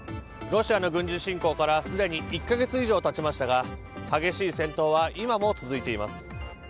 ロシアの軍事侵攻からすでに１か月以上、経ちましたが激しい戦闘は今も続いています。